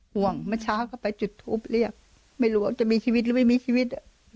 เมื่อเช้าก็ไปจุดทูปเรียกไม่รู้ว่าจะมีชีวิตหรือไม่มีชีวิต